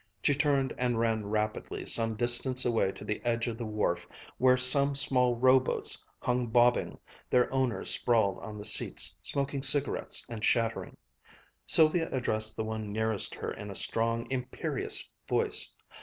She turned and ran rapidly some distance away to the edge of the wharf, where some small rowboats hung bobbing, their owners sprawled on the seats, smoking cigarettes and chattering. Sylvia addressed the one nearest her in a strong, imperious voice.